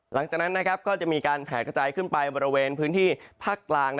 หลังจากนั้นก็จะมีการแผลกระจายขึ้นไปบริเวณพื้นที่ภาคกลาง